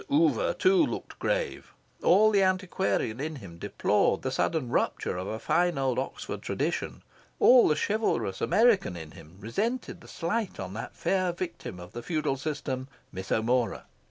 Oover, too, looked grave. All the antiquarian in him deplored the sudden rupture of a fine old Oxford tradition. All the chivalrous American in him resented the slight on that fair victim of the feudal system, Miss O'Mora.